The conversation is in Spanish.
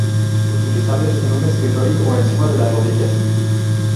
Utilizables en un escritorio o encima de las rodillas.